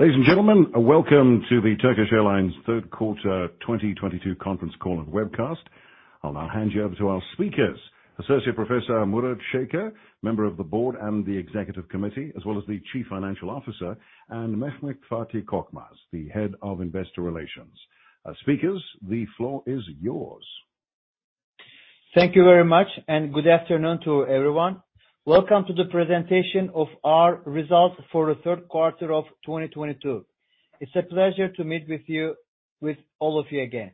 Ladies and gentlemen, welcome to the Turkish Airlines Q3 2022 conference call and webcast. I'll now hand you over to our speakers, Associate Professor Murat Şeker, member of the board and the executive committee, as well as the Chief Financial Officer, and Mehmet Fatih Korkmaz, the Head of Investor Relations. Speakers, the floor is yours. Thank you very much, and good afternoon to everyone. Welcome to the presentation of our results for Q3 of 2022. It's a pleasure to meet with all of you again.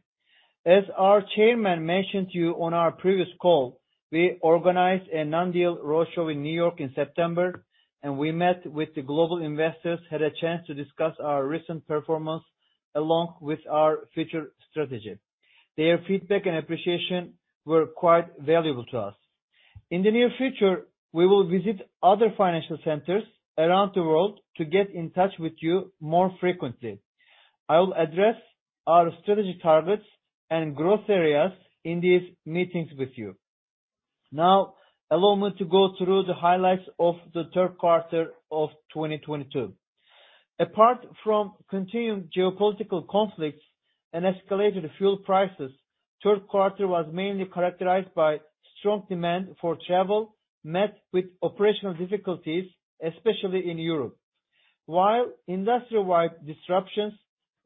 As our chairman mentioned to you on our previous call, we organized a non-deal roadshow in New York in September, and we met with the global investors, had a chance to discuss our recent performance along with our future strategy. Their feedback and appreciation were quite valuable to us. In the near future, we will visit other financial centers around the world to get in touch with you more frequently. I will address our strategy targets and growth areas in these meetings with you. Now, allow me to go through the highlights of Q3 of 2022. Apart from continued geopolitical conflicts and escalated fuel prices, Q3 was mainly characterized by strong demand for travel, met with operational difficulties, especially in Europe. While industry-wide disruptions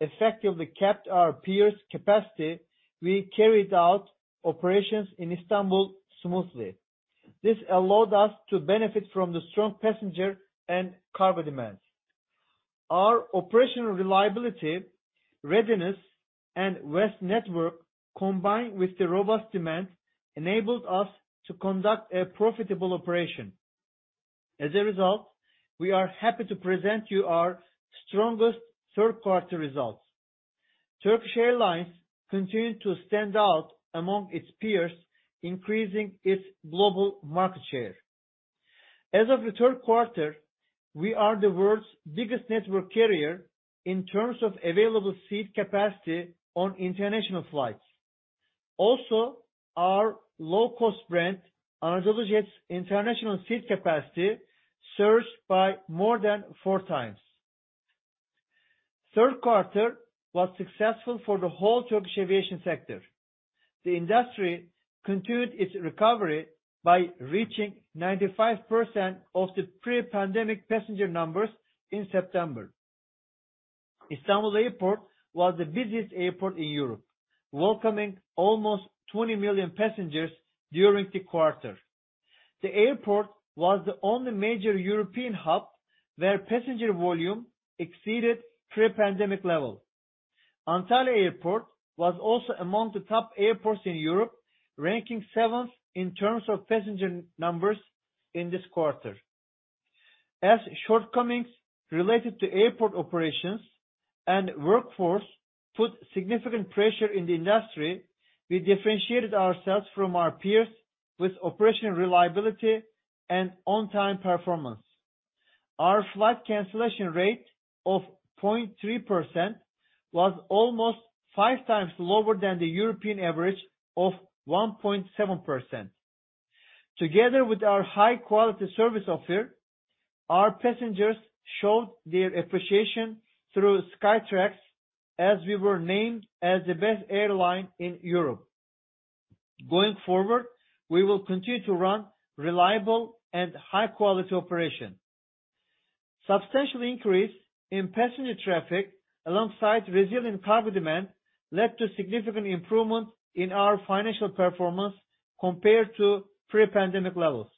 effectively capped our peers' capacity, we carried out operations in Istanbul smoothly. This allowed us to benefit from the strong passenger and cargo demands. Our operational reliability, readiness, and vast network, combined with the robust demand, enabled us to conduct a profitable operation. As a result, we are happy to present you our strongest Q3 results. Turkish Airlines continued to stand out among its peers, increasing its global market share. As of Q3, we are the world's biggest network carrier in terms of available seat capacity on international flights. Also, our low-cost brand, AnadoluJet's international seat capacity, surged by more than four times. Q3 was successful for the whole Turkish aviation sector. The industry continued its recovery by reaching 95% of the pre-pandemic passenger numbers in September. Istanbul Airport was the busiest airport in Europe, welcoming almost 20 million passengers during the quarter. The airport was the only major European hub where passenger volume exceeded pre-pandemic level. Antalya Airport was also among the top airports in Europe, ranking seventh in terms of passenger numbers in this quarter. As shortcomings related to airport operations and workforce put significant pressure in the industry, we differentiated ourselves from our peers with operational reliability and on-time performance. Our flight cancellation rate of 0.3% was almost five times lower than the European average of 1.7%. Together with our high-quality service offer, our passengers showed their appreciation through Skytrax as we were named as the best airline in Europe. Going forward, we will continue to run reliable and high-quality operation. Substantial increase in passenger traffic alongside resilient cargo demand led to significant improvement in our financial performance compared to pre-pandemic levels.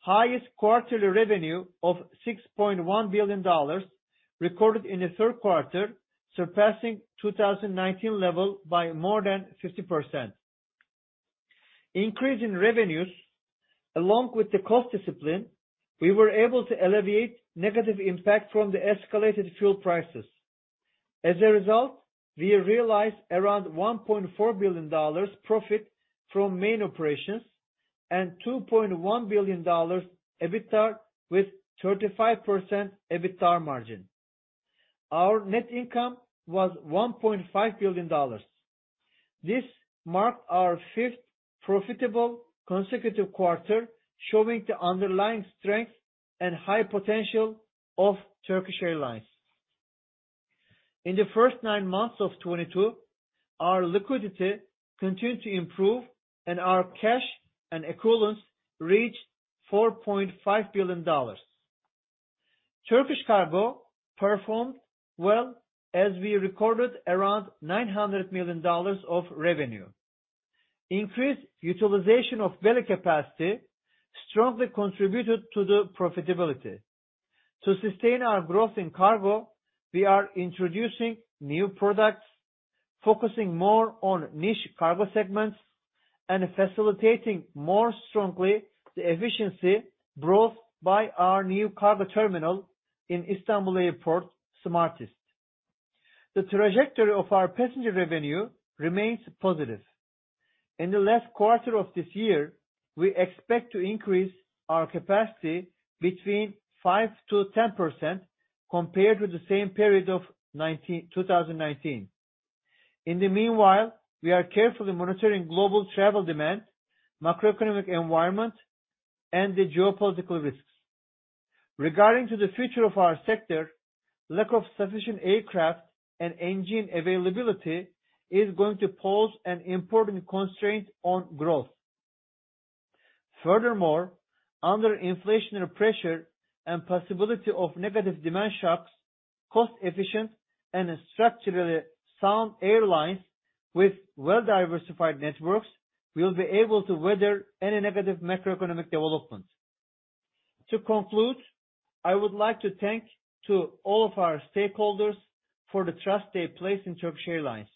Highest quarterly revenue of $6.1 billion recorded in Q3, surpassing 2019 level by more than 50%. Increase in revenues, along with the cost discipline, we were able to alleviate negative impact from the escalated fuel prices. As a result, we realized around $1.4 billion profit from main operations and $2.1 billion EBITDA with 35% EBITDA margin. Our net income was $1.5 billion. This marked our fifth profitable consecutive quarter, showing the underlying strength and high potential of Turkish Airlines. In the first nine months of 2022, our liquidity continued to improve, and our cash and equivalents reached $4.5 billion. Turkish Cargo performed well as we recorded around $900 million of revenue. Increased utilization of belly capacity strongly contributed to the profitability. To sustain our growth in cargo, we are introducing new products, focusing more on niche cargo segments, and facilitating more strongly the efficiency brought by our new cargo terminal in Istanbul Airport, SmartIST. The trajectory of our passenger revenue remains positive. In the last quarter of this year, we expect to increase our capacity between 5%-10% compared with the same period of 2019. In the meanwhile, we are carefully monitoring global travel demand, macroeconomic environment, and the geopolitical risks. Regarding to the future of our sector, lack of sufficient aircraft and engine availability is going to pose an important constraint on growth. Furthermore, under inflationary pressure and possibility of negative demand shocks, cost-efficient and structurally sound airlines with well-diversified networks will be able to weather any negative macroeconomic development. To conclude, I would like to thank to all of our stakeholders for the trust they place in Turkish Airlines.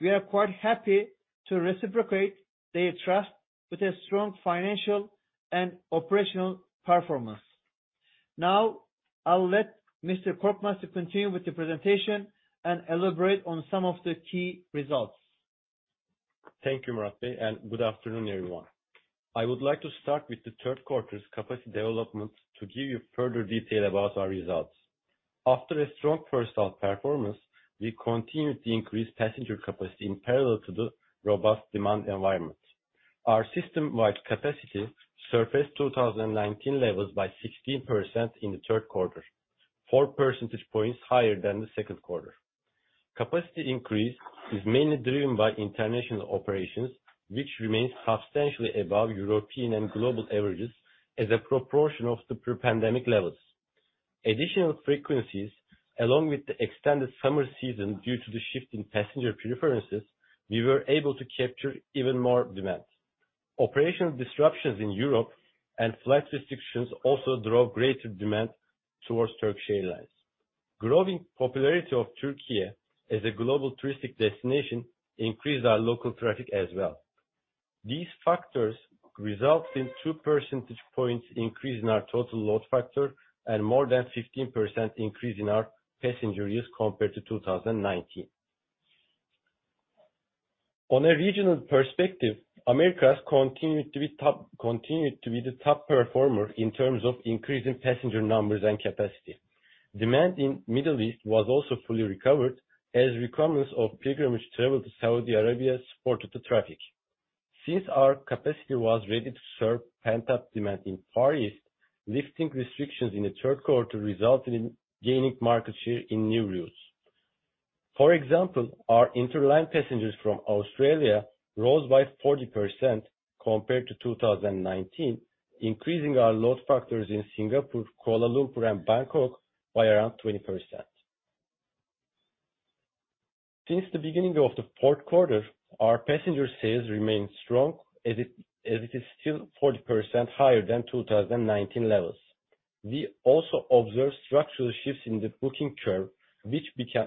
We are quite happy to reciprocate their trust with a strong financial and operational performance. Now, I'll let Mr. Korkmaz to continue with the presentation and elaborate on some of the key results. Thank you, Murat, and good afternoon, everyone. I would like to start with Q3's capacity development to give you further detail about our results. After a strong first half performance, we continued to increase passenger capacity in parallel to the robust demand environment. Our system-wide capacity surpassed 2019 levels by 16% in Q3, 4 percentage points higher than Q2. Capacity increase is mainly driven by international operations, which remains substantially above European and global averages as a proportion of the pre-pandemic levels. Additional frequencies, along with the extended summer season due to the shift in passenger preferences, we were able to capture even more demand. Operational disruptions in Europe and flight restrictions also drove greater demand towards Turkish Airlines. Growing popularity of Türkiye as a global touristic destination increased our local traffic as well. These factors result in 2 percentage points increase in our total load factor and more than 15% increase in our passenger use compared to 2019. On a regional perspective, Americas continued to be the top performer in terms of increasing passenger numbers and capacity. Demand in Middle East was also fully recovered, as recurrence of pilgrimage travel to Saudi Arabia supported the traffic. Since our capacity was ready to serve pent-up demand in the Far East, lifting restrictions in Q3 resulted in gaining market share in new routes. For example, our interline passengers from Australia rose by 40% compared to 2019, increasing our load factors in Singapore, Kuala Lumpur, and Bangkok by around 20%. Since the beginning of Q4, our passenger sales remain strong as it is still 40% higher than 2019 levels. We also observe structural shifts in the booking curve, which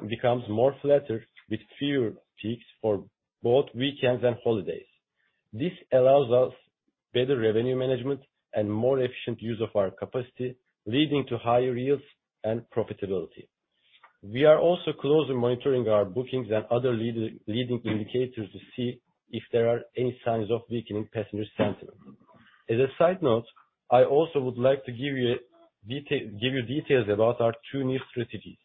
becomes more flatter with fewer peaks for both weekends and holidays. This allows us better revenue management and more efficient use of our capacity, leading to higher yields and profitability. We are also closely monitoring our bookings and other leading indicators to see if there are any signs of weakening passenger sentiment. As a side note, I also would like to give you details about our two new strategies.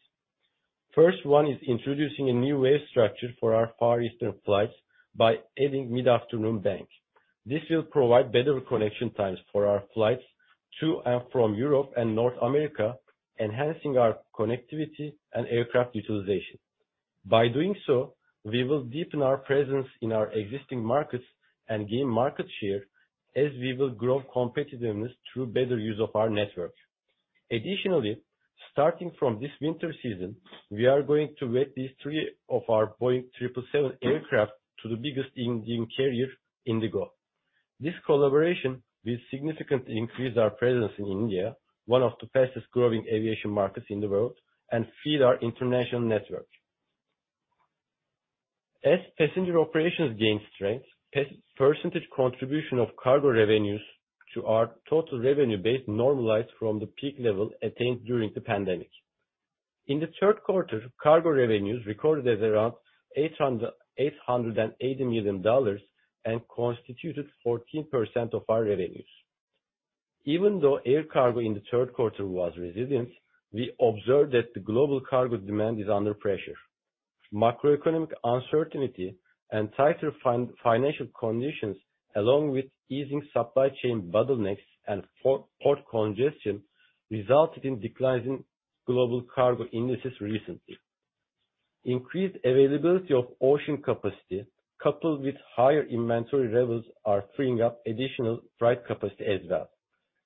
First one is introducing a new wave structure for our Far Eastern flights by adding mid-afternoon bank. This will provide better connection times for our flights to and from Europe and North America, enhancing our connectivity and aircraft utilization. By doing so, we will deepen our presence in our existing markets and gain market share as we will grow competitiveness through better use of our network. Additionally, starting from this winter season, we are going to let these three of our Boeing 777 aircraft to the biggest Indian carrier, IndiGo. This collaboration will significantly increase our presence in India, one of the fastest growing aviation markets in the world, and feed our international network. As passenger operations gain strength, percentage contribution of cargo revenues to our total revenue base normalized from the peak level attained during the pandemic. In Q3, cargo revenues recorded at around $880 million and constituted 14% of our revenues. Even though air cargo in Q3 was resilient, we observed that the global cargo demand is under pressure. Macroeconomic uncertainty and tighter financial conditions, along with easing supply chain bottlenecks and port congestion, resulted in declines in global cargo indices recently. Increased availability of ocean capacity, coupled with higher inventory levels, are freeing up additional freight capacity as well.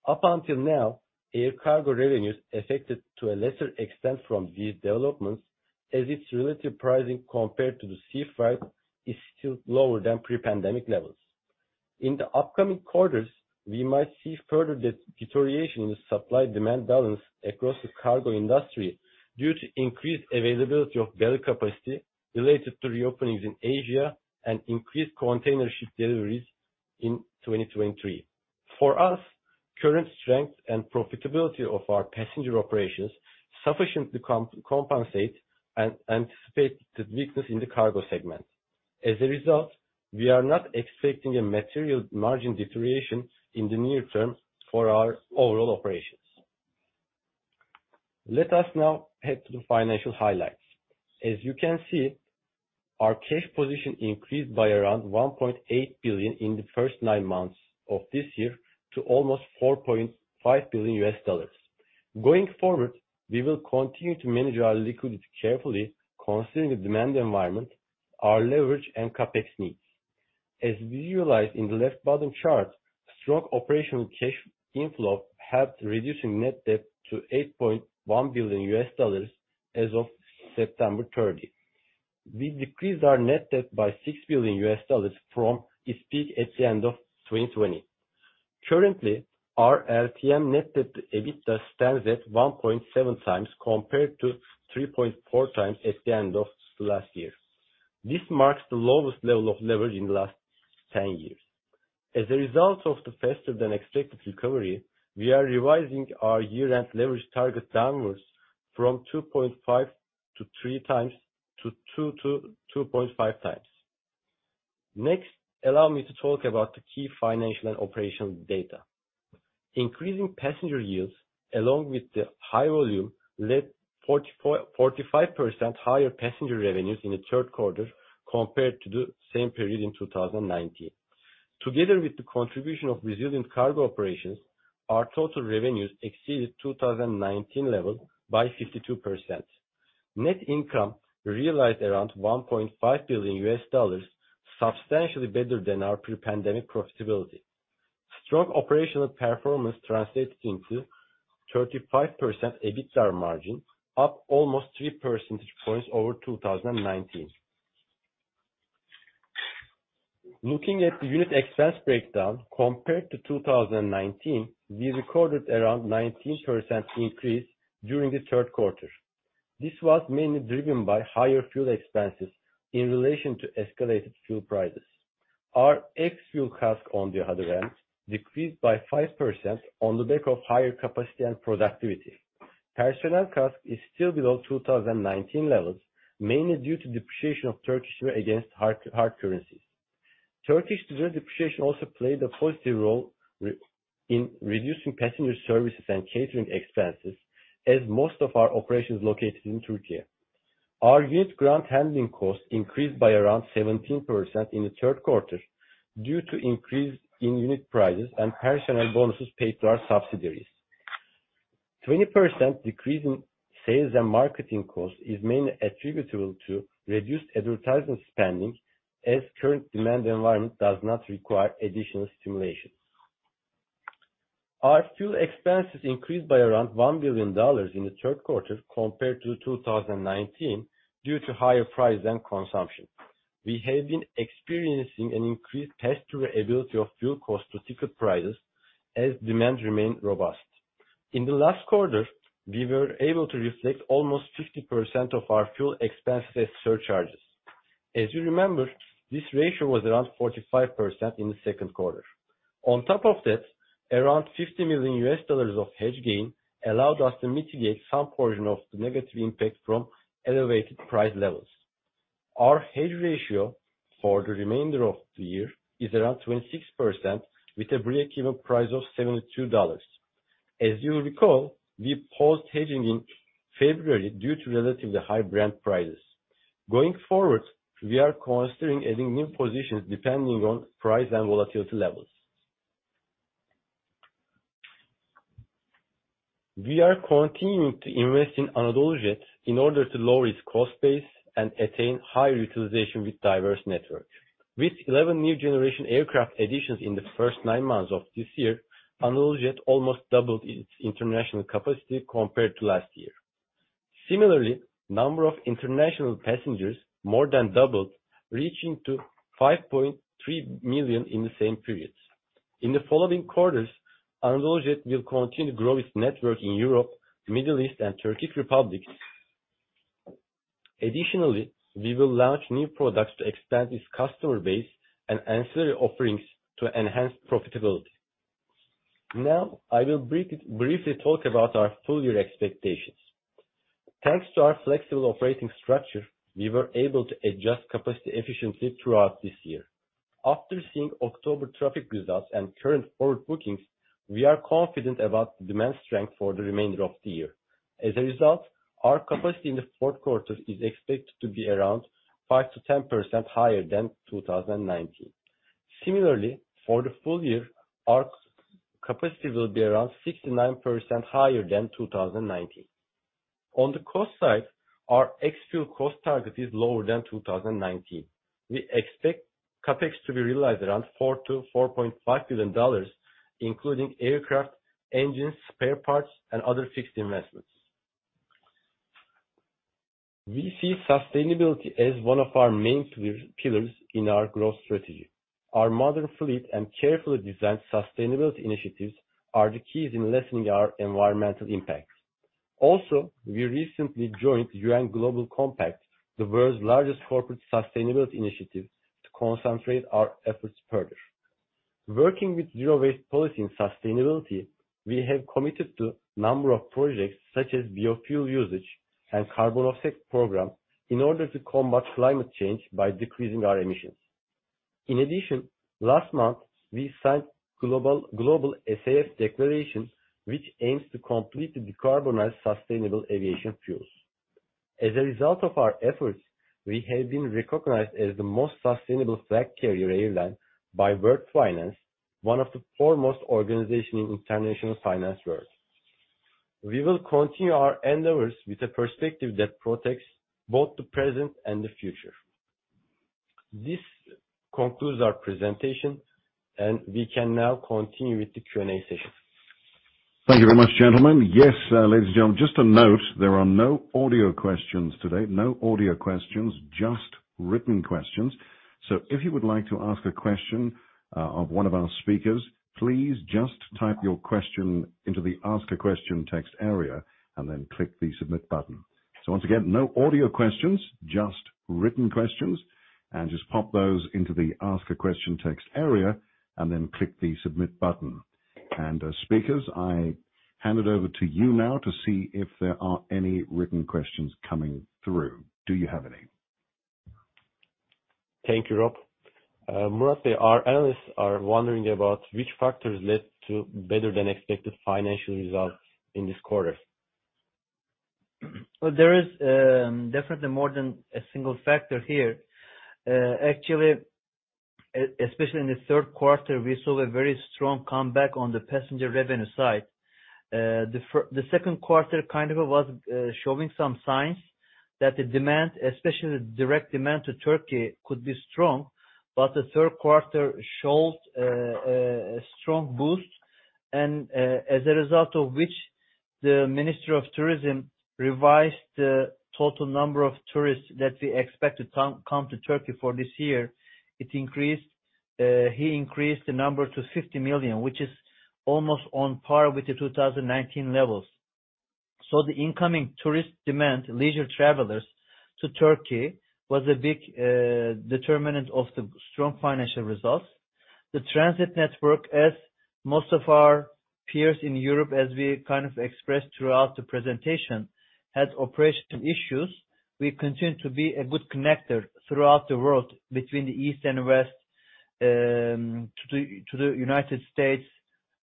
Up until now, air cargo revenues affected to a lesser extent from these developments, as its relative pricing compared to the sea freight is still lower than pre-pandemic levels. In the upcoming quarters, we might see further deterioration in the supply-demand balance across the cargo industry due to increased availability of belly capacity related to reopenings in Asia and increased container ship deliveries in 2023. For us, current strength and profitability of our passenger operations sufficiently compensate and anticipate the weakness in the cargo segment. As a result, we are not expecting a material margin deterioration in the near-term for our overall operations. Let us now head to the financial highlights. As you can see, our cash position increased by around $1.8 billion in the first nine months of this year to almost $4.5 billion. Going forward, we will continue to manage our liquidity carefully, considering the demand environment, our leverage, and CapEx needs. As visualized in the left bottom chart, strong operational cash inflow helped reducing net debt to $8.1 billion as of September 30. We decreased our net debt by $6 billion from its peak at the end of 2020. Currently, our LTM net debt EBITDA stands at 1.7 times compared to 3.4 times at the end of last year. This marks the lowest level of leverage in the last 10 years. As a result of the faster than expected recovery, we are revising our year-end leverage target downwards from 2.5-3 times to 2-2.5 times. Next, allow me to talk about the key financial and operational data. Increasing passenger yields along with the high volume led 45% higher passenger revenues in Q3 compared to the same period in 2019. Together with the contribution of resilient cargo operations, our total revenues exceeded 2019 level by 52%. Net income realized around $1.5 billion, substantially better than our pre-pandemic profitability. Strong operational performance translates into 35% EBITDA margin, up almost three percentage points over 2019. Looking at the unit expense breakdown compared to 2019, we recorded around 19% increase during Q3. This was mainly driven by higher fuel expenses in relation to escalated fuel prices. Our ex-fuel CASK, on the other hand, decreased by 5% on the back of higher capacity and productivity. Personnel CASK is still below 2019 levels, mainly due to depreciation of Turkish lira against hard currencies. Turkish lira depreciation also played a positive role in reducing passenger services and catering expenses, as most of our operations are located in Turkey. Our unit ground handling costs increased by around 17% in Q3 due to increase in unit prices and personnel bonuses paid to our subsidiaries. 20% decrease in sales and marketing costs is mainly attributable to reduced advertising spending, as current demand environment does not require additional stimulation. Our fuel expenses increased by around $1 billion in Q3 compared to 2019 due to higher price and consumption. We have been experiencing an increased pass-through ability of fuel costs to ticket prices as demand remained robust. In the last quarter, we were able to reflect almost 50% of our fuel expenses surcharges. As you remember, this ratio was around 45% in Q2. On top of that, around $50 million of hedge gain allowed us to mitigate some portion of the negative impact from elevated price levels. Our hedge ratio for the remainder of the year is around 26% with a break-even price of $72. As you'll recall, we paused hedging in February due to relatively high Brent prices. Going forward, we are considering adding new positions depending on price and volatility levels. We are continuing to invest in AnadoluJet in order to lower its cost base and attain higher utilization with diverse networks. With 11 new generation aircraft additions in the first nine months of this year, AnadoluJet almost doubled its international capacity compared to last year. Similarly, number of international passengers more than doubled, reaching to 5.3 million in the same periods. In the following quarters, AnadoluJet will continue to grow its network in Europe, the Middle East, and Turkish republics. Additionally, we will launch new products to expand its customer base and ancillary offerings to enhance profitability. Now, I will briefly talk about our full year expectations. Thanks to our flexible operating structure, we were able to adjust capacity efficiently throughout this year. After seeing October traffic results and current forward bookings, we are confident about the demand strength for the remainder of the year. As a result, our capacity in Q4 is expected to be around 5%-10% higher than 2019. Similarly, for the full year, our capacity will be around 69% higher than 2019. On the cost side, our ex-fuel cost target is lower than 2019. We expect CapEx to be realized around $4 billion-$4.5 billion, including aircraft, engines, spare parts, and other fixed investments. We see sustainability as one of our main pillars in our growth strategy. Our modern fleet and carefully designed sustainability initiatives are the keys in lessening our environmental impact. Also, we recently joined UN Global Compact, the world's largest corporate sustainability initiative, to concentrate our efforts further. Working with zero waste policy and sustainability, we have committed to a number of projects such as biofuel usage and carbon offset program in order to combat climate change by decreasing our emissions. In addition, last month, we signed global SAF declaration, which aims to completely decarbonize sustainable aviation fuels. As a result of our efforts, we have been recognized as the most sustainable flag carrier airline by World Finance, one of the foremost organization in international finance world. We will continue our endeavors with a perspective that protects both the present and the future. This concludes our presentation, and we can now continue with the Q&A session. Thank you very much, gentlemen. Yes, ladies and gentlemen, just a note, there are no audio questions today. No audio questions, just written questions. If you would like to ask a question, of one of our speakers, please just type your question into the Ask a Question text area and then click the Submit button. Once again, no audio questions, just written questions. Just pop those into the Ask a Question text area and then click the Submit button. Speakers, I hand it over to you now to see if there are any written questions coming through. Do you have any? Thank you, Rob. Murat, our analysts are wondering about which factors led to better than expected financial results in this quarter. Well, there is definitely more than a single factor here. Actually, especially in Q3, we saw a very strong comeback on the passenger revenue side. Q2 was showing some signs that the demand, especially the direct demand to Turkey, could be strong, but Q3 showed a strong boost. As a result of which, the minister of tourism revised the total number of tourists that we expect to come to Turkey for this year. He increased the number to 50 million, which is almost on par with the 2019 levels. The incoming tourist demand, leisure travelers to Turkey, was a big determinant of the strong financial results. The transit network, as most of our peers in Europe, as we expressed throughout the presentation, had operational issues. We continue to be a good connector throughout the world between the east and west, to the United States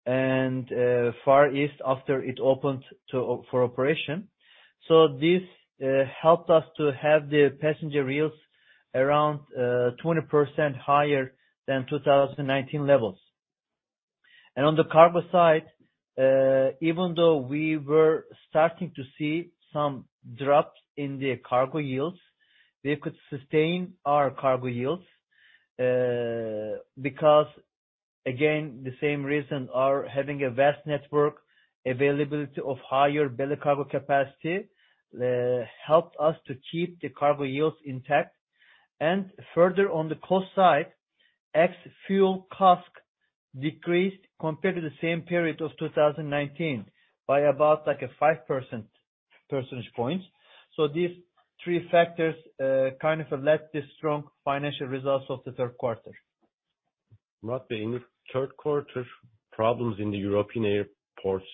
and the Far East after it opened for operation. This helped us to have the passenger yields around 20% higher than 2019 levels. On the cargo side, even though we were starting to see some drops in the cargo yields, we could sustain our cargo yields because, again, the same reason, having a vast network, availability of higher belly cargo capacity, helped us to keep the cargo yields intact. Further on the cost side, ex-fuel CASK decreased compared to the same period of 2019 by about 5 percentage points. These three factors led the strong financial results of Q3. Murat, in Q3, problems in the European airports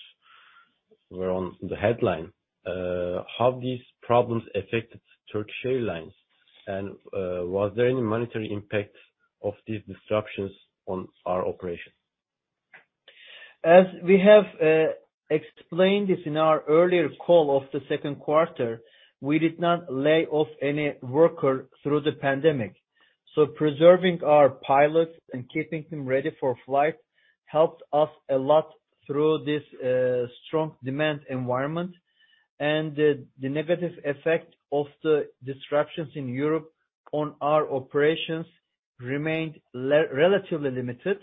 were on the headlines. How these problems affected Turkish Airlines, and was there any monetary impact of these disruptions on our operations? As we have explained this in our earlier call of Q2, we did not lay off any worker through the pandemic. Preserving our pilots and keeping them ready for flight helped us a lot through this strong demand environment. The negative effect of the disruptions in Europe on our operations remained relatively limited.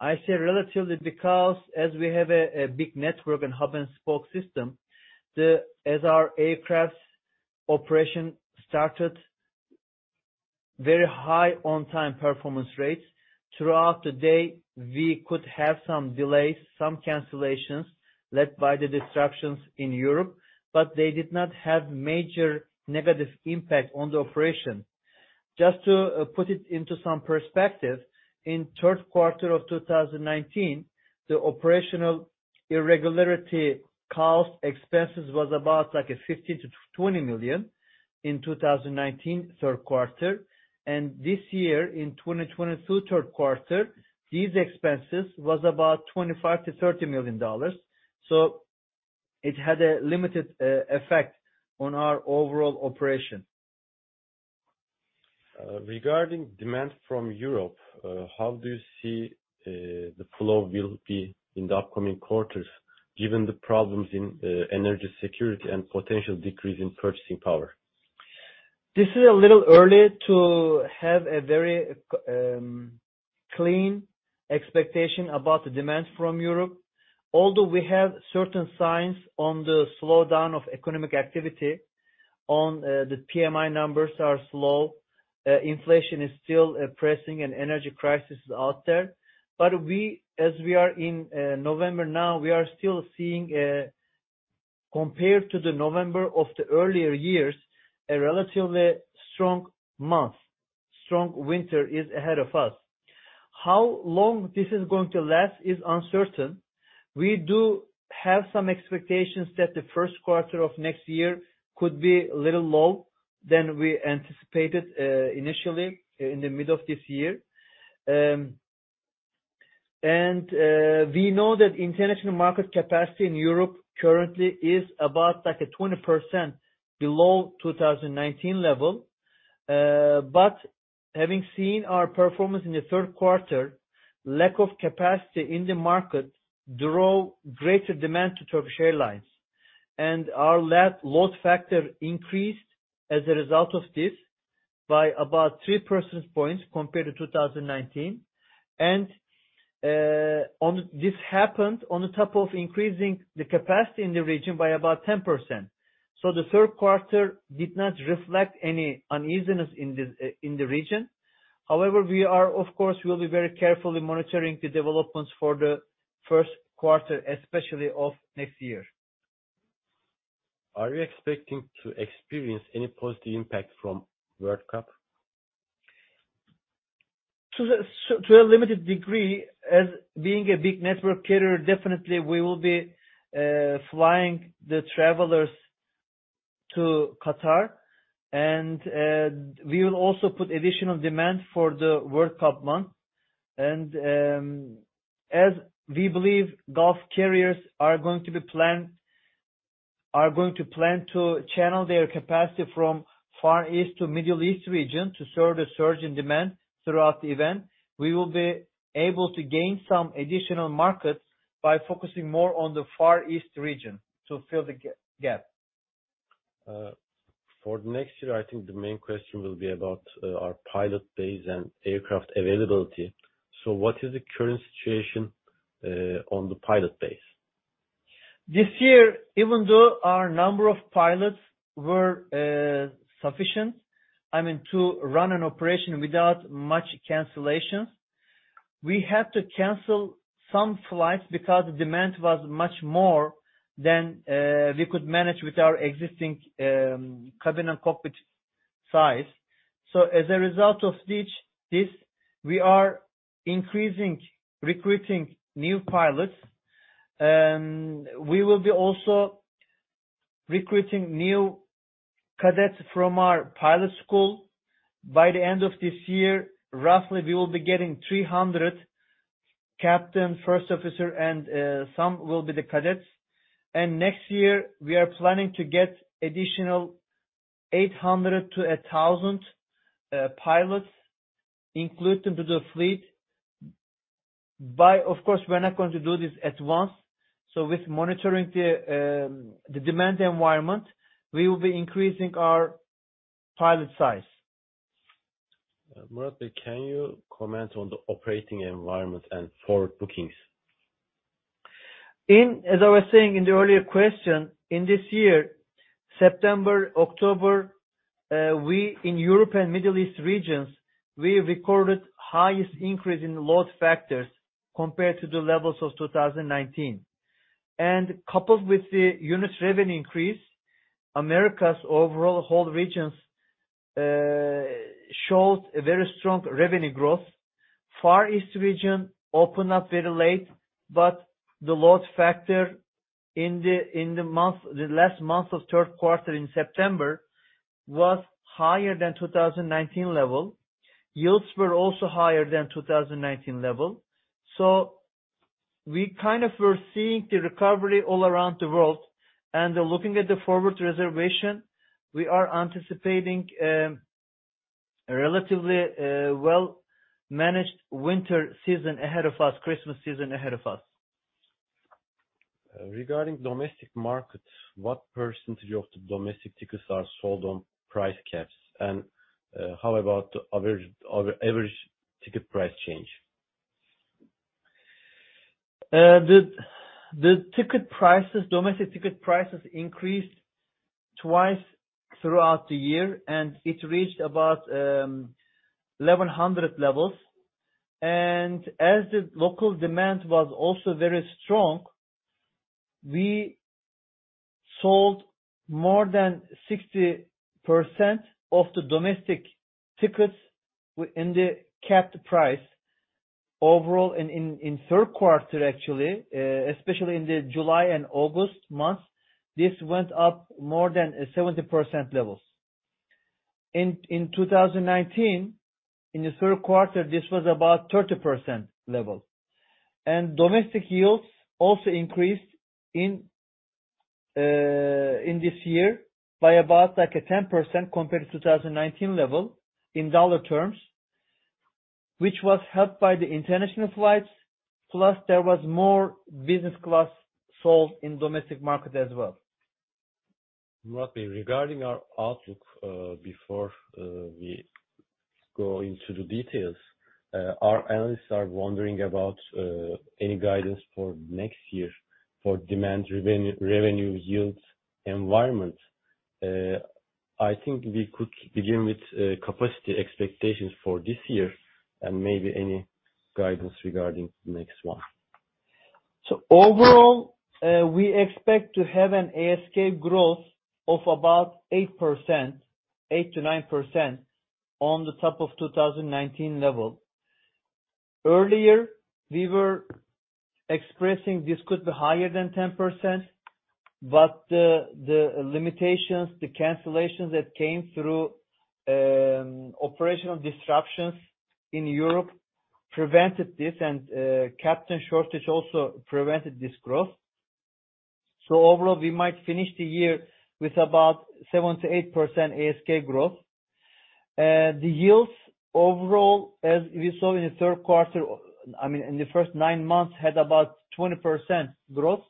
I say relatively because as we have a big network and hub-and-spoke system, as our aircraft's operation started very high on-time performance rates. Throughout the day, we could have some delays, some cancellations led by the disruptions in Europe, but they did not have major negative impact on the operation. Just to put it into some perspective, in Q3 of 2019, the operational irregularity cost expenses was about 15-20 million in 2019 Q3. This year, in 2022 Q3, these expenses was about $25 million-$30 million. It had a limited effect on our overall operation. Regarding demand from Europe, how do you see the flow will be in the upcoming quarters, given the problems in energy security and potential decrease in purchasing power? This is a little early to have a very clean expectation about the demand from Europe. Although we have certain signs of the slowdown of economic activity on the PMI numbers are slow, inflation is still pressing and energy crisis is out there. As we are in November now, we are still seeing a compared to the November of the earlier years, a relatively strong month. Strong winter is ahead of us. How long this is going to last is uncertain. We do have some expectations that Q1 of next year could be a little lower than we anticipated initially in the middle of this year. We know that international market capacity in Europe currently is about like 20% below 2019 level. Having seen our performance in Q3, lack of capacity in the market drove greater demand to Turkish Airlines. Our load factor increased as a result of this by about 3 percentage points compared to 2019. This happened on top of increasing the capacity in the region by about 10%. Q3 did not reflect any uneasiness in the region. However, of course, we'll be very carefully monitoring the developments for Q1, especially of next year. Are you expecting to experience any positive impact from World Cup? To a limited degree as being a big network carrier, definitely we will be flying the travelers to Qatar. We will also put additional demand for the World Cup month. As we believe Gulf carriers are going to plan to channel their capacity from the Far East to the Middle East region to serve the surge in demand throughout the event, we will be able to gain some additional markets by focusing more on the Far East region to fill the gap. For next year, I think the main question will be about our pilot base and aircraft availability. What is the current situation on the pilot base? This year, even though our number of pilots were sufficient to run an operation without much cancellations, we had to cancel some flights because demand was much more than we could manage with our existing cabin and cockpit size. As a result of this, we are increasing recruiting new pilots. We will be also recruiting new cadets from our pilot school. By the end of this year, roughly we will be getting 300 captain first officers and some will be the cadets. Next year, we are planning to get additional 800-1,000 pilots, including them in the fleet. Of course, we're not going to do this at once. While monitoring the demand environment, we will be increasing our pilot size. Murat, can you comment on the operating environment and forward bookings? As I was saying in the earlier question, in this year September, October, we, in Europe and Middle East regions, recorded highest increase in load factors compared to the levels of 2019. Coupled with the unit revenue increase, Americas overall whole regions shows a very strong revenue growth. The Far East region opened up very late, but the load factor in the last month of Q3 in September was higher than 2019 level. Yields were also higher than 2019 level. We were seeing the recovery all around the world. Looking at the forward reservation, we are anticipating a relatively well-managed winter season ahead of us, Christmas season ahead of us. Regarding domestic markets, what percentage of the domestic tickets are sold on price caps? How about the average ticket price change? The ticket prices, domestic ticket prices increased twice throughout the year, and it reached about 1,100 levels. As the local demand was also very strong, we sold more than 60% of the domestic tickets in the capped price overall in Q3, actually, especially in the July and August months, this went up more than 70% levels. In 2019, in Q3, this was about 30% level. Domestic yields also increased in this year by about like 10% compared to 2019 level in dollar terms, which was helped by the international flights, plus there was more business class sold in domestic market as well. Murat, regarding our outlook, before we go into the details, our analysts are wondering about any guidance for next year for demand revenue yields environment. I think we could begin with capacity expectations for this year and maybe any guidance regarding next one. Overall, we expect to have an ASK growth of about 8%-9% on the top of 2019 level. Earlier, we were expressing this could be higher than 10%, but the limitations, the cancellations that came through, operational disruptions in Europe prevented this, and captain shortage also prevented this growth. Overall, we might finish the year with about 7%-8% ASK growth. The yields overall, as we saw in Q3, in the first nine months, had about 20% growth.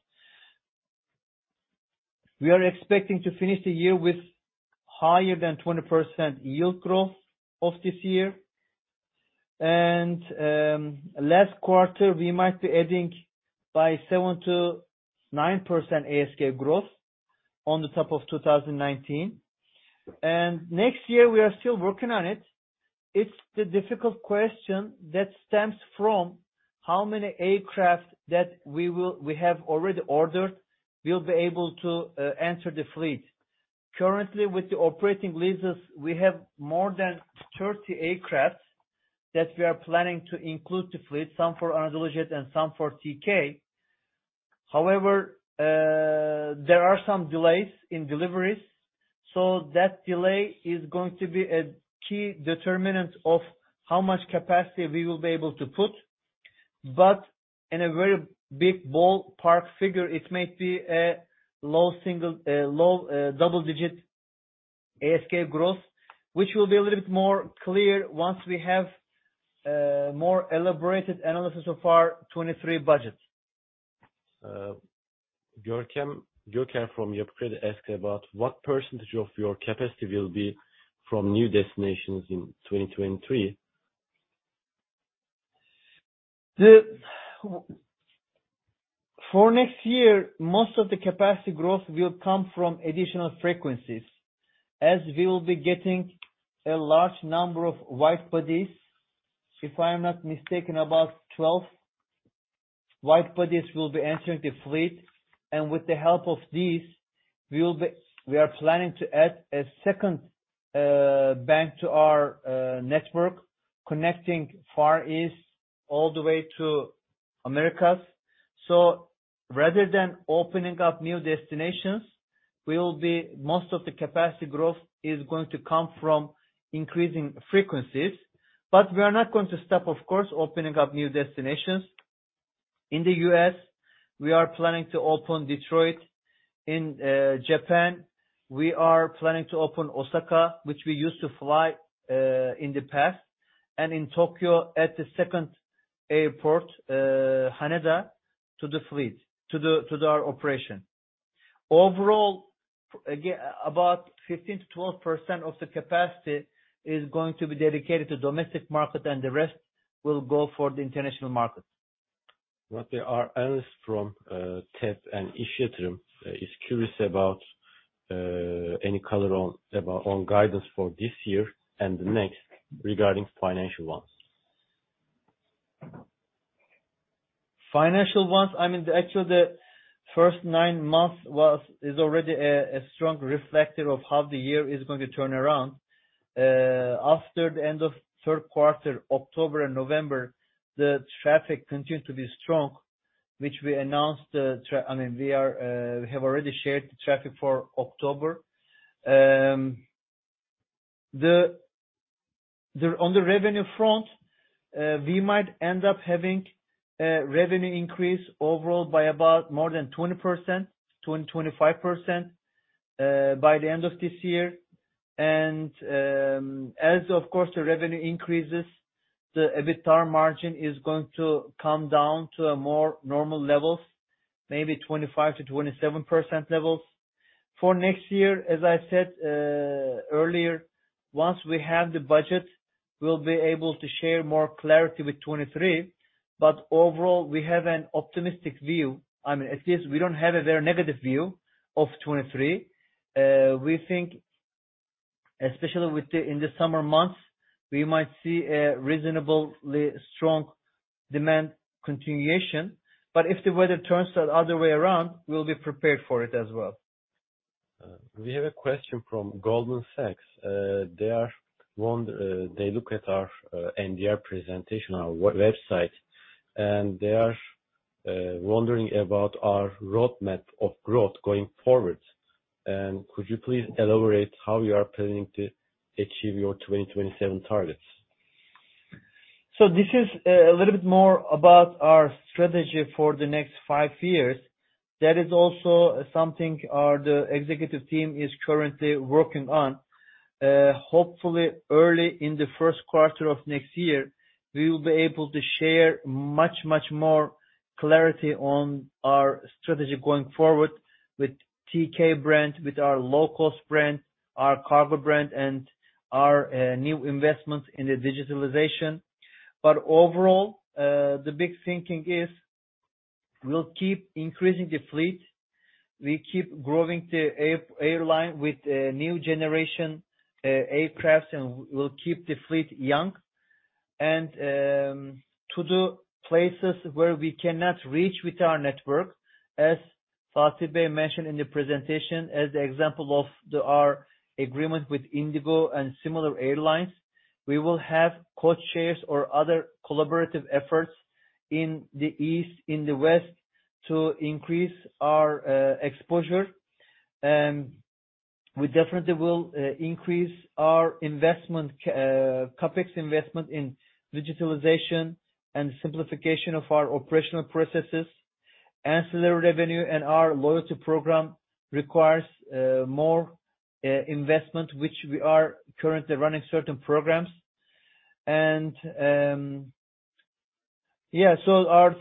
We are expecting to finish the year with higher than 20% yield growth of this year. Last quarter, we might be adding by 7%-9% ASK growth on the top of 2019. Next year, we are still working on it. It's the difficult question that stems from how many aircraft that we have already ordered we'll be able to enter the fleet. Currently, with the operating leases, we have more than 30 aircrafts that we are planning to include in the fleet, some for AnadoluJet and some for TK. However, there are some delays in deliveries. That delay is going to be a key determinant of how much capacity we will be able to put. In a very big ballpark figure, it might be a low double-digit ASK growth, which will be a little bit more clear once we have more elaborated analysis of our 2023 budget. Görkem from Yapı Kredi asked about what percentage of your capacity will be from new destinations in 2023. For next year, most of the capacity growth will come from additional frequencies, as we'll be getting a large number of wide-bodies. If I'm not mistaken, about 12 wide-bodies will be entering the fleet. With the help of these, we are planning to add a second bank to our network connecting the Far East all the way to the Americas. Rather than opening up new destinations, most of the capacity growth is going to come from increasing frequencies, but we are not going to stop, of course, opening up new destinations. In the U.S., we are planning to open Detroit. In Japan, we are planning to open Osaka, which we used to fly in the past, and in Tokyo at the second airport, Haneda, to our operation. Overall, about 15%-12% of the capacity is going to be dedicated to domestic market, and the rest will go for the international market. Analyst from TEB and İş Yatırım is curious about any color on guidance for this year and the next regarding financial ones. Financial ones, actually the first nine months is already a strong reflector of how the year is going to turn around. After the end of Q3, October and November, the traffic continued to be strong, which we announced. We have already shared the traffic for October. On the revenue front, we might end up having a revenue increase overall by about more than 20%-25%, by the end of this year. As of course, the revenue increases, the EBITDA margin is going to come down to a more normal levels, maybe 25%-27% levels. For next year, as I said, earlier, once we have the budget, we'll be able to share more clarity with 2023. Overall, we have an optimistic view. At least we don't have a very negative view of 2023. We think, especially in the summer months, we might see a reasonably strong demand continuation. If the weather turns the other way around, we'll be prepared for it as well. We have a question from Goldman Sachs. They look at our NDR presentation on our website, and they are wondering about our roadmap of growth going forward. Could you please elaborate how you are planning to achieve your 2027 targets? This is a little bit more about our strategy for the next five years. That is also something the executive team is currently working on. Hopefully, early in Q1 of next year, we will be able to share much, much more clarity on our strategy going forward with TK brand, with our low-cost brand, our cargo brand, and our new investments in the digitalization. Overall, the big thinking is we'll keep increasing the fleet, we keep growing the airline with a new generation aircraft, and we'll keep the fleet young. To the places where we cannot reach with our network, as Fatih Bey mentioned in the presentation as the example of our agreement with IndiGo and similar airlines, we will have codeshares or other collaborative efforts in the east, in the west, to increase our exposure. We definitely will increase our CapEx investment in digitalization and simplification of our operational processes. Ancillary revenue and our loyalty program requires more investment, which we are currently running certain programs. Our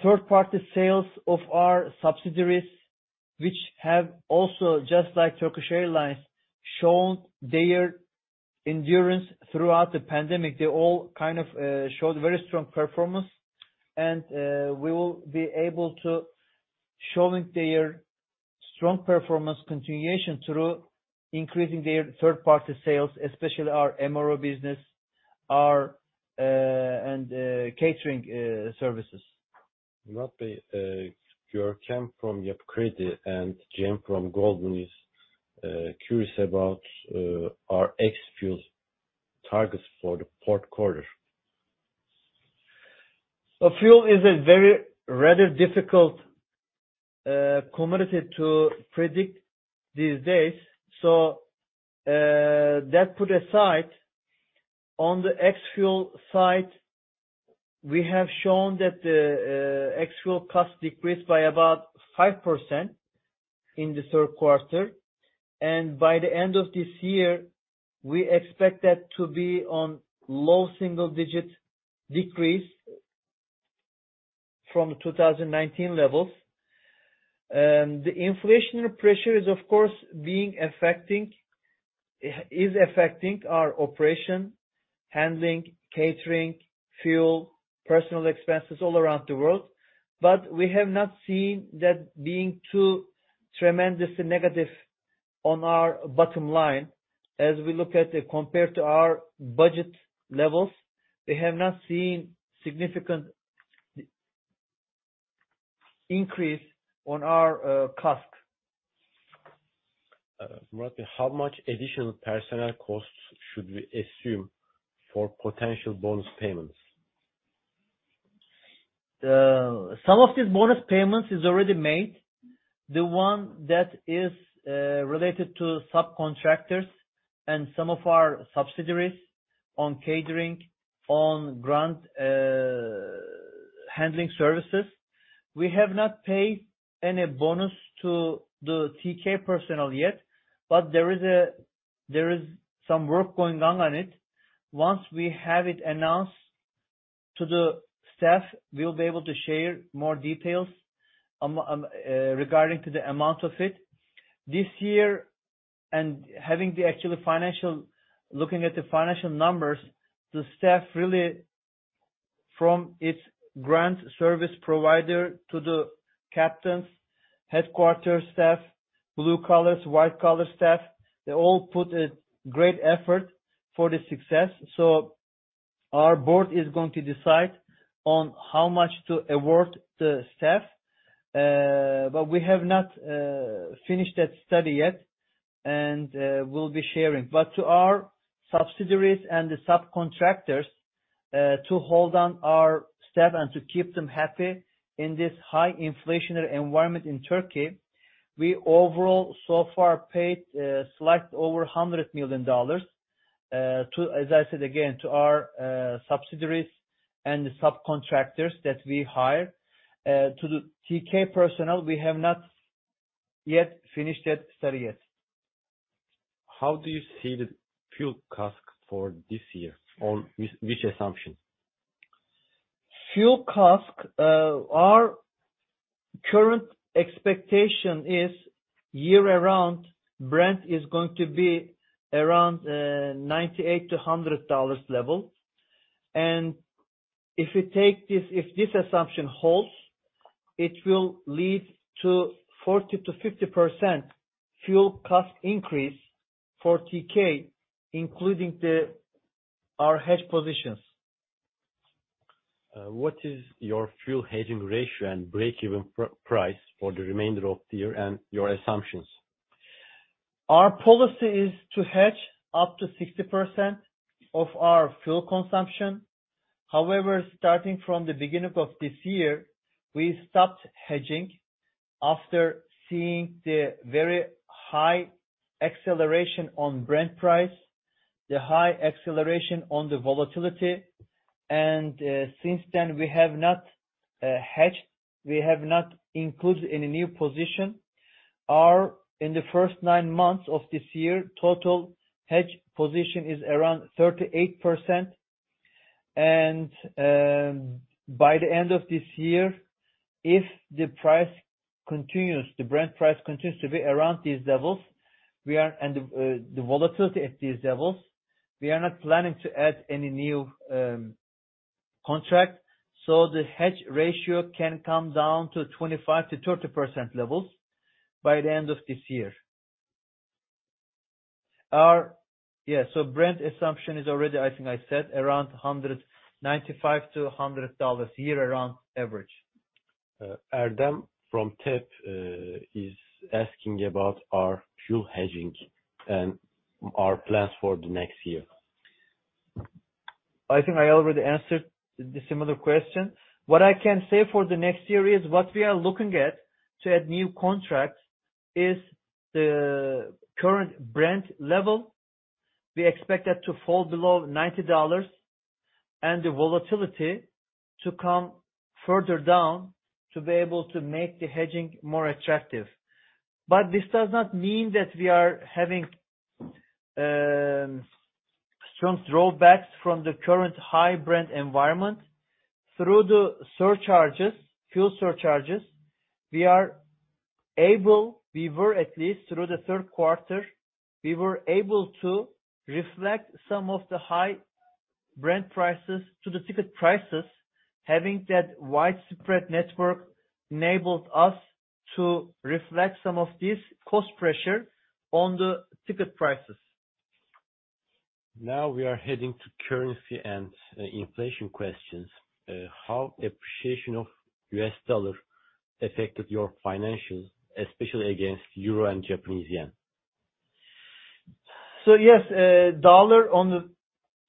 third-party sales of our subsidiaries, which have also, just like Turkish Airlines, shown their endurance throughout the pandemic. They all showed very strong performance, and we will be able to showing their strong performance continuation through increasing their third-party sales, especially our MRO business, our and catering services. Murat Bey, Görkem from Yapı Kredi and Jim from Goldman Sachs are curious about our ex-fuel targets for Q4. Fuel is a very rather difficult commodity to predict these days. That put aside, on the ex-fuel side, we have shown that the ex-fuel cost decreased by about 5% in Q3. By the end of this year, we expect that to be on low single-digit decrease from 2019 levels. The inflationary pressure is of course affecting our operation, handling, catering, fuel, and personal expenses all around the world, but we have not seen that being too tremendously negative on our bottom line. As we look at it compared to our budget levels, we have not seen significant increase on our cost. Murat, how much additional personnel costs should we assume for potential bonus payments? Some of these bonus payments is already made. The one that is related to subcontractors and some of our subsidiaries on catering, on ground, handling services. We have not paid any bonus to the TK personnel yet, but there is some work going on it. Once we have it announced to the staff, we'll be able to share more details regarding to the amount of it. This year, looking at the financial numbers, the staff really from its ground service provider to the captains, headquarter staff, blue collars, and white collar staff, they all put a great effort for the success. Our board is going to decide on how much to award the staff. We have not finished that study yet, and we'll be sharing. To our subsidiaries and the subcontractors, to hold on our staff and to keep them happy in this high inflationary environment in Turkey, we overall so far paid slightly over $100 million, as I said again, to our subsidiaries and the subcontractors that we hire. To the TK personnel, we have not yet finished that study yet. How do you see the fuel CASK for this year on which assumption? Fuel CASK, our current expectation is year-round, Brent is going to be around $98-$100 level. If this assumption holds, it will lead to 40%-50% fuel cost increase for TK, including our hedge positions. What is your fuel hedging ratio and break-even price for the remainder of the year and your assumptions? Our policy is to hedge up to 60% of our fuel consumption. However, starting from the beginning of this year, we stopped hedging after seeing the very high acceleration on Brent price, the high acceleration on the volatility. Since then, we have not hedged. We have not included any new position. In the first nine months of this year, total hedge position is around 38%. By the end of this year, if the price continues, the Brent price continues to be around these levels, and the volatility at these levels, we are not planning to add any new contract, so the hedge ratio can come down to 25%-30% levels by the end of this year. Brent assumption is already I think I said around $95-$100 year around average. Adam from TEB is asking about our fuel hedging and our plans for the next year. I think I already answered the similar question. What I can say for the next year is, what we are looking at to add new contracts is the current Brent level. We expect that to fall below $90, and the volatility to come further down to be able to make the hedging more attractive. This does not mean that we are having strong throwbacks from the current high Brent environment. Through the surcharges, fuel surcharges, we were at least through Q3 able to reflect some of the high Brent prices to the ticket prices. Having that widespread network enabled us to reflect some of this cost pressure on the ticket prices. Now we are heading to currency and inflation questions. How appreciation of U.S. dollar affected your financials, especially against euro and Japanese yen? Yes, dollar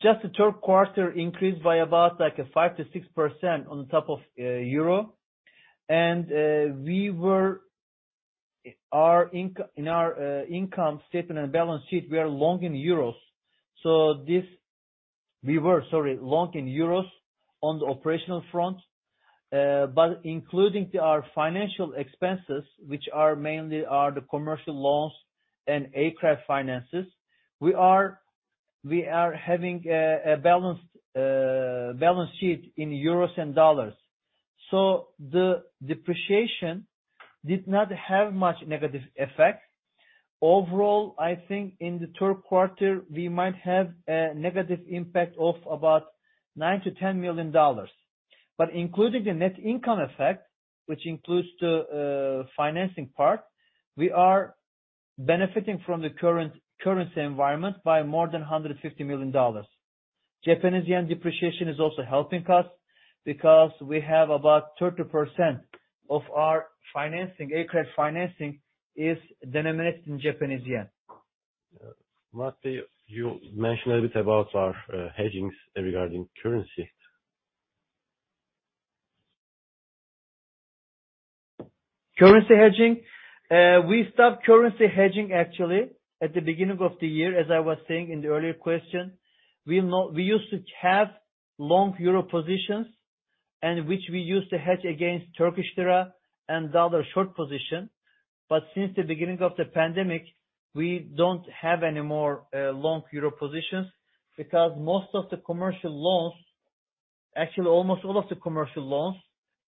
just in Q3 increased by about like a 5%-6% on top of. In our income statement and balance sheet, we were long in euros on the operational front but including our financial expenses, which are mainly the commercial loans and aircraft financing, we are having a balanced balance sheet in euros and dollars. The depreciation did not have much negative effect. Overall, I think in Q3, we might have a negative impact of about $9 million-$10 million. Including the net income effect, which includes the financing part, we are benefiting from the current currency environment by more than $150 million. Japanese yen depreciation is also helping us because we have about 30% of our financing, aircraft financing is denominated in Japanese yen. Murat, you mentioned a little bit about our hedging regarding currency. Currency hedging. We stopped currency hedging actually at the beginning of the year, as I was saying in the earlier question. We used to have long euro positions and which we used to hedge against Turkish lira and the other short position. Since the beginning of the pandemic, we don't have any more long euro positions because most of the commercial loans, actually almost all of the commercial loans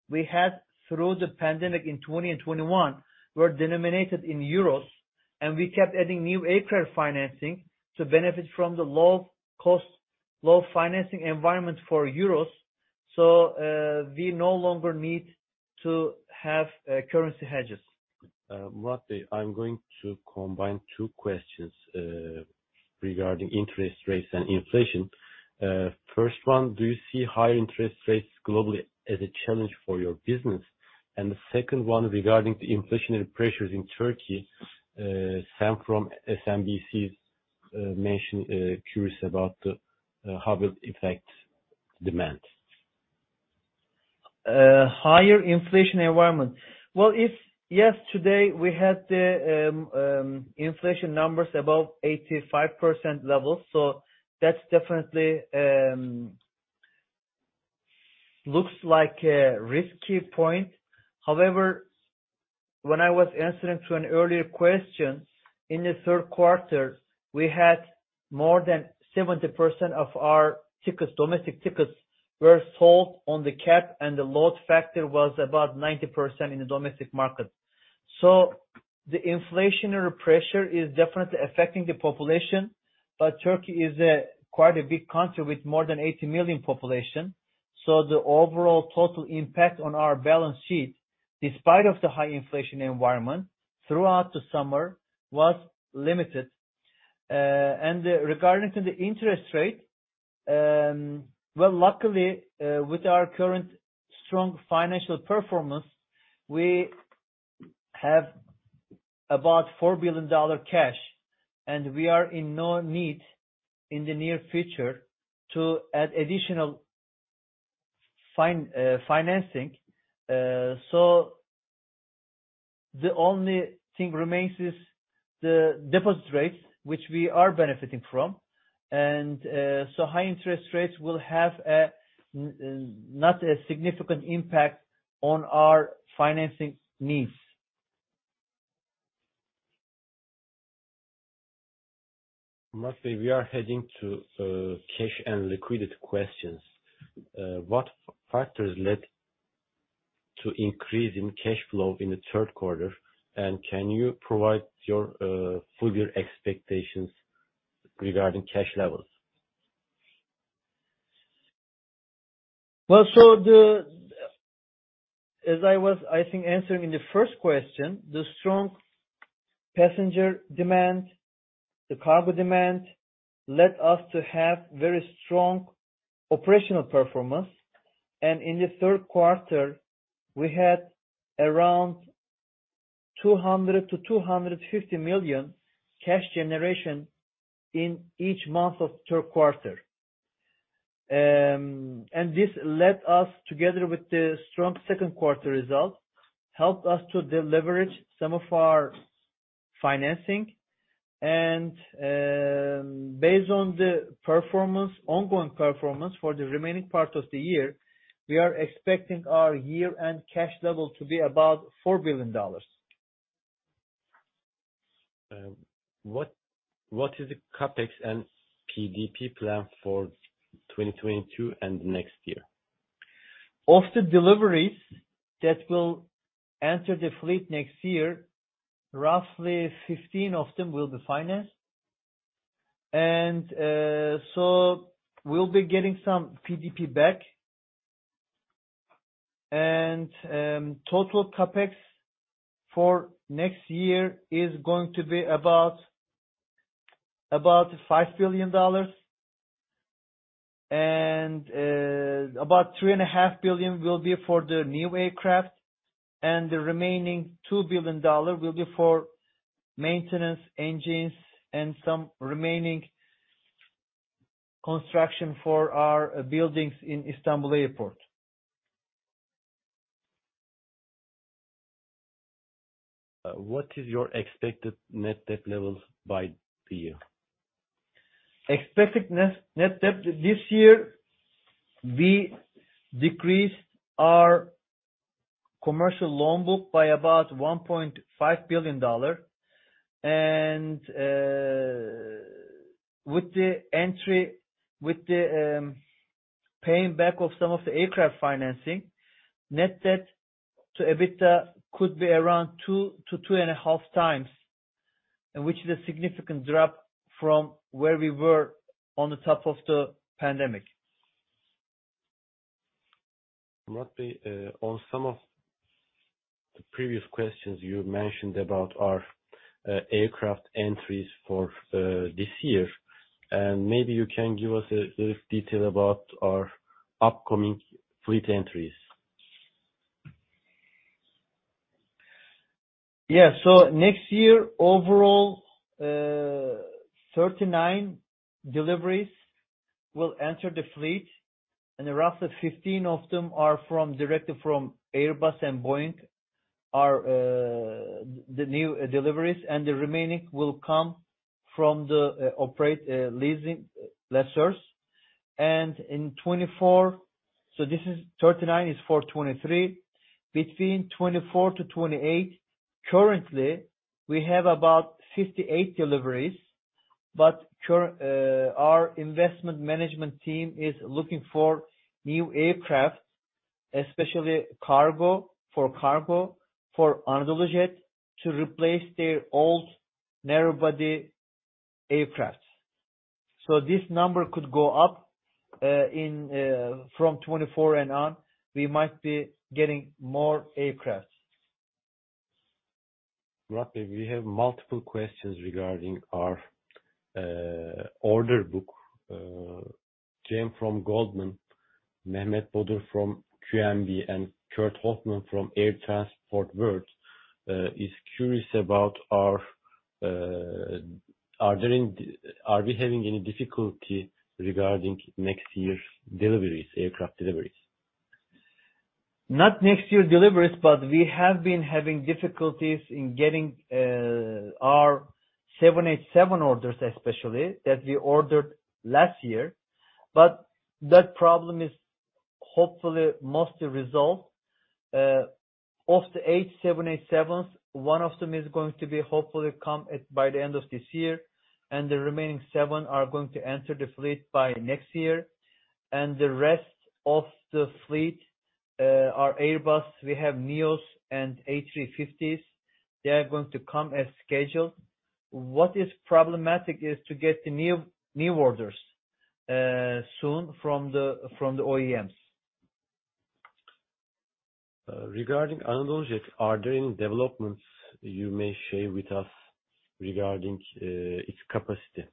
we had through the pandemic in 2020 and 2021 were denominated in euros, and we kept adding new aircraft financing to benefit from the low financing environment for euros. We no longer need to have currency hedges. Murat, I'm going to combine two questions regarding interest rates and inflation. First one, do you see high interest rates globally as a challenge for your business? The second one, regarding the inflationary pressures in Turkey, Sam from SMBC mentioned curious about how it affects demand. Higher inflation environment. Well, if yesterday we had the inflation numbers above 85% level, that definitely looks like a risky point. However, when I was answering to an earlier question, in Q3, we had more than 70% of our tickets, domestic tickets were sold on the cap, and the load factor was about 90% in the domestic market. The inflationary pressure is definitely affecting the population. Turkey is a quite a big country with more than 80 million population. The overall total impact on our balance sheet, despite of the high inflation environment throughout the summer, was limited. Regarding to the interest rate, well, luckily, with our current strong financial performance, we have about $4 billion dollar cash, and we are in no need in the near future to add additional financing. The only thing remains is the deposit rates, which we are benefiting from. High interest rates will have not a significant impact on our financing needs. Murat, we are heading to cash and liquidity questions. What factors led to the increase in cash flow in Q3? Can you provide your full year expectations regarding cash levels? As I was, I think, answering in the first question, the strong passenger demand, the cargo demand led us to have very strong operational performance. In Q3, we had around $200 million-$250 million cash generation in each month of Q3. This led us together with the strong Q2 results, helped us to deleverage some of our financing. Based on the performance, ongoing performance for the remaining part of the year, we are expecting our year-end cash level to be about $4 billion. What is the CapEx and PDP plan for 2022 and next year? Of the deliveries that will enter the fleet next year, roughly 15 of them will be financed. We'll be getting some PDP back. Total CapEx for next year is going to be about $5 billion. About $3.5 billion will be for the new aircraft. The remaining $2 billion will be for maintenance, engines, and some remaining construction for our buildings in Istanbul Airport. What is your expected net debt levels by the year? Expected net debt this year, we decreased our commercial loan book by about $1.5 billion. With the paying back of some of the aircraft financing, net debt to EBITDA could be around 2-2.5 times, which is a significant drop from where we were at the top of the pandemic. Murat, on some of the previous questions you mentioned about our aircraft entries for this year. Maybe you can give us a little detail about our upcoming fleet entries. Yes. Next year, overall, 39 deliveries will enter the fleet, and roughly 15 of them are directly from Airbus and Boeing, the new deliveries, and the remaining will come from the operating lessors. 39 is for 2023. Between 2024-2028, currently, we have about 58 deliveries but our investment management team is looking for new aircraft, especially for cargo for AnadoluJet to replace their old narrow-body aircraft. This number could go up from 2024 and on. We might be getting more aircraft. Murat, we have multiple questions regarding our order book. Jim from Goldman Sachs, Mehmet Bodur from QNB and Kurt Hofmann from Air Transport World is curious about our are we having any difficulty regarding next year's deliveries, aircraft deliveries? Not next year deliveries, but we have been having difficulties in getting our 787 orders, especially that we ordered last year. That problem is hopefully mostly resolved. Of the 787s, one of them is going to hopefully come by the end of this year, and the remaining seven are going to enter the fleet by next year. The rest of the fleet are Airbus. We have neos and A350s. They are going to come as scheduled. What is problematic is to get the new orders soon from the OEMs. Regarding AnadoluJet, are there any developments you may share with us regarding its capacity?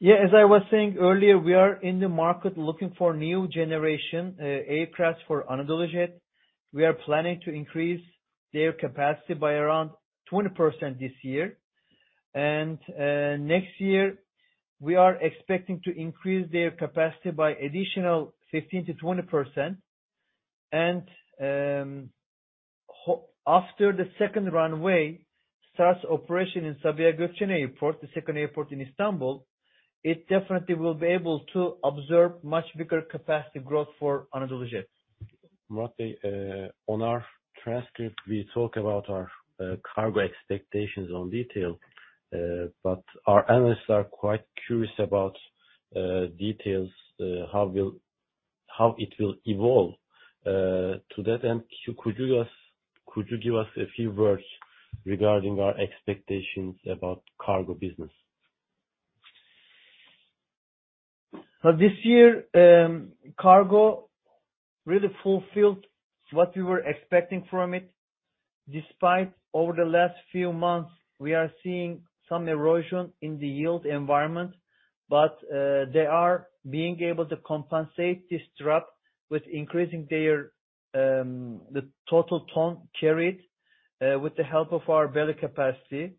Yes, as I was saying earlier, we are in the market looking for new generation aircraft for AnadoluJet. We are planning to increase their capacity by around 20% this year. Next year, we are expecting to increase their capacity by additional 15%-20%. After the second runway starts operation in Sabiha Gökçen Airport, the second airport in Istanbul, it definitely will be able to absorb much bigger capacity growth for AnadoluJet. Murat, on our transcript, we talk about our cargo expectations in detail. Our analysts are quite curious about details, how it will evolve. To that end, could you give us a few words regarding our expectations about cargo business? This year, cargo really fulfilled what we were expecting from it. Despite, over the last few months, we are seeing some erosion in the yield environment. They are being able to compensate this drop with increasing the total ton carried, with the help of our belly capacity.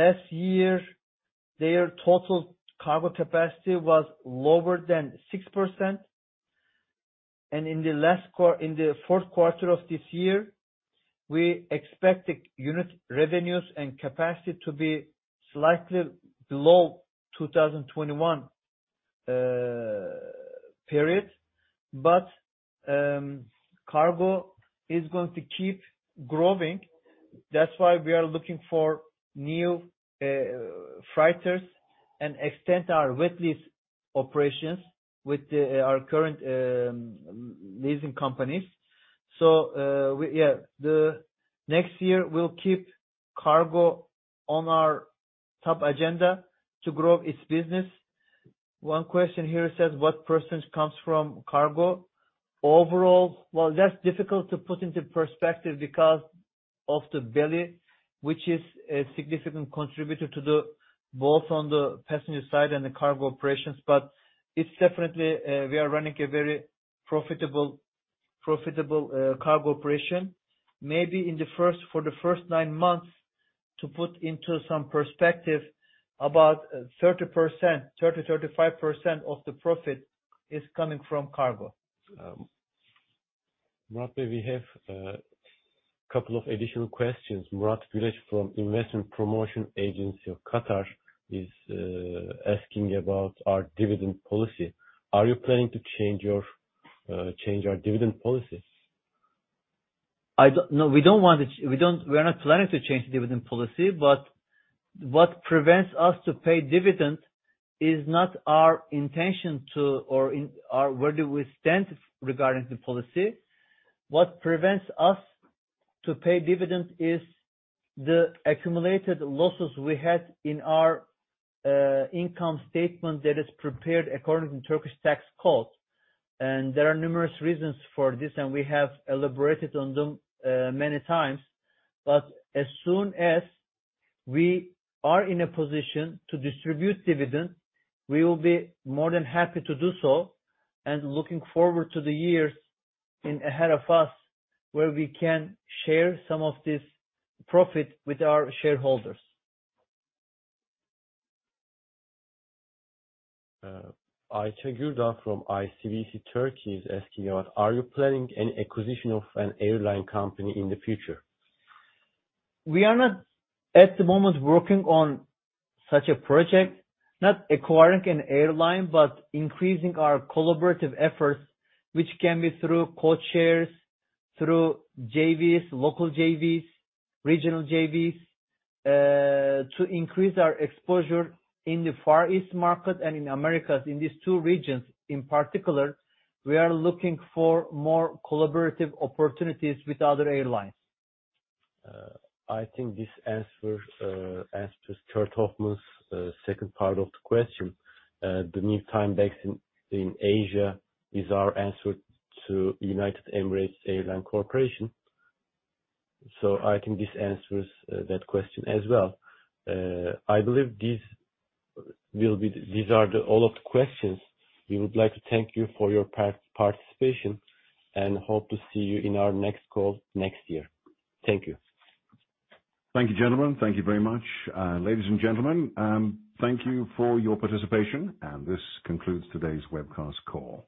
Last year, their total cargo capacity was lower than 6%. In Q4 of this year, we expect the unit revenues and capacity to be slightly below 2021 period. Cargo is going to keep growing. That's why we are looking for new freighters and extend our wet lease operations with our current leasing companies. Next year we'll keep cargo on our top agenda to grow its business. One question here says, "What percentage comes from cargo?" Overall, well, that's difficult to put into perspective because of the belly, which is a significant contributor to both on the passenger side and the cargo operations. It's definitely we are running a very profitable cargo operation. Maybe for the first nine months to put into some perspective, about 30%-35% of the profit is coming from cargo. Murat, we have couple of additional questions. Murat Güler from Investment Promotion Agency of Qatar is asking about our dividend policy. Are you planning to change our dividend policy? No, we don't want to change. We are not planning to change the dividend policy. What prevents us to pay dividend is not our intention to or in our where do we stand regarding the policy. What prevents us to pay dividends is the accumulated losses we had in our income statement that is prepared according to Turkish tax code. There are numerous reasons for this, and we have elaborated on them many times. As soon as we are in a position to distribute dividends, we will be more than happy to do so, and looking forward to the years ahead of us where we can share some of this profit with our shareholders. Ayşe Gürdağ from ICBC Turkey is asking, are you planning any acquisition of an airline company in the future? We are not at the moment working on such a project. Not acquiring an airline, but increasing our collaborative efforts, which can be through codeshares, through JVs, local JVs, regional JVs, to increase our exposure in the Far East market and in the Americas. In these two regions in particular, we are looking for more collaborative opportunities with other airlines. I think this answers Kurt Hofmann's second part of the question. The maintenance base in Asia is our answer to Emirates. I think this answers that question as well. I believe these are all of the questions. We would like to thank you for your participation, and hope to see you in our next call next year. Thank you. Thank you, gentlemen. Thank you very much. Ladies and gentlemen, thank you for your participation. This concludes today's webcast call.